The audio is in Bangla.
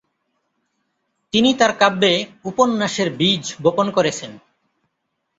তিনি তার কাব্যে উপন্যাসের বীজ বপন করেছেন।